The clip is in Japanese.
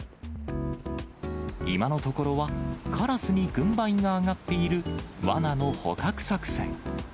今のところは、カラスに軍配が上がっているわなの捕獲作戦。